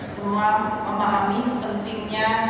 semua pemahami pentingnya